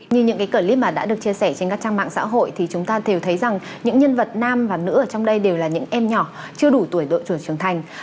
như những clip mà đã được chia sẻ trên các trang mạng xã hội thì chúng ta đều thấy rằng những nhân vật nam và nữ ở trong đây đều là những em nhỏ chưa đủ tuổi đội trưởng trưởng thành